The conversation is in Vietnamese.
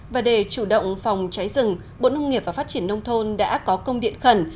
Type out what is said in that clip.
và để chủ động phòng cháy rừng bộ nông nghiệp và phát triển nông thôn đã có công điện khẩn